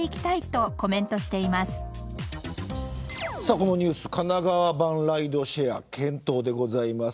このニュース神奈川版ライドシェア検討でございます。